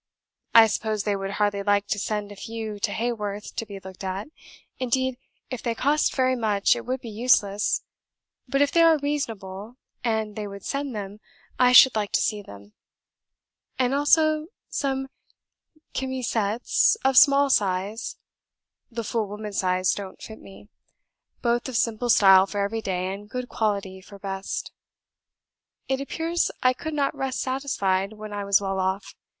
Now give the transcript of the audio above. I suppose they would hardly like to send a few to Haworth to be looked at; indeed, if they cost very much, it would be useless, but if they are reasonable and they would send them, I should like to see them; and also some chemisettes of small size (the full woman's size don't fit me), both of simple style for every day and good quality for best.". .. ."It appears I could not rest satisfied when I was well off.